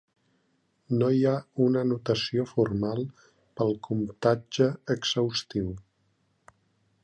No hi ha una notació formal pel comptatge exhaustiu.